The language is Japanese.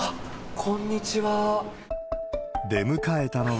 こんにちは。